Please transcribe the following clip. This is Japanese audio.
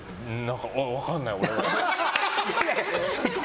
分かんない、俺。